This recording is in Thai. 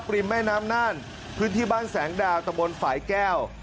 ริมแม่น้ำน่านพื้นที่บ้านแสงดาวตะบนฝ่ายแก้ว